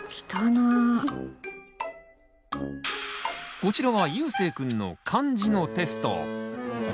こちらはゆうせいくんの漢字のテスト。